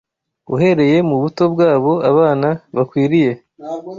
uhereye mu buto bwabo abana bakwiriye